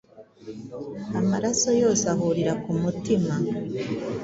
amaraso yose ahurira ku mutima,